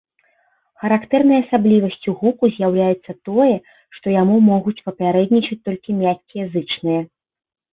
Характэрнай асаблівасцю гуку з'яўляецца тое, што яму могуць папярэднічаць толькі мяккія зычныя.